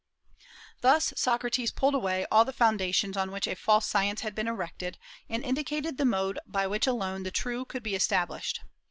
Thus Socrates pulled away all the foundations on which a false science had been erected, and indicated the mode by which alone the true could be established.